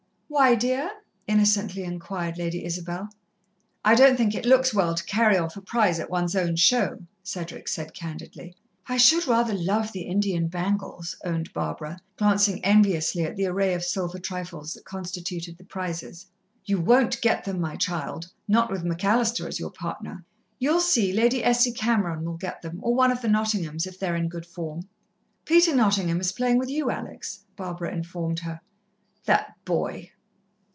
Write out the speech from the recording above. "Why, dear?" innocently inquired Lady Isabel. "I don't think it looks well to carry off a prize at one's own show," Cedric said candidly. "I should rather love the Indian bangles," owned Barbara, glancing enviously at the array of silver trifles that constituted the prizes. "You won't get them, my child not with McAllister as your partner. You'll see, Lady Essie Cameron will get them, or one of the Nottinghams, if they're in good form." "Peter Nottingham is playing with you, Alex," Barbara informed her. "That boy!"